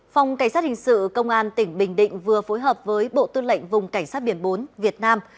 phòng cảnh sát hình sự công an tỉnh bình định vừa phối hợp với bộ tư lệnh vùng cảnh sát biển bốn việt nam